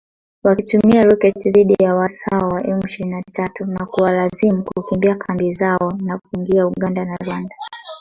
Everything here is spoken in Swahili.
wakitumia roketi dhidi ya waasi hao wa M ishirini na tatu na kuwalazimu kukimbia kambi zao na kuingia Uganda na Rwanda